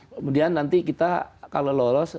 kemudian nanti kita kalau lolos